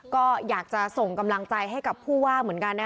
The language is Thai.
ก็อยากจะส่งกำลังใจให้กับผู้ว่าเหมือนกันนะ